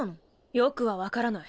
よくは分からない。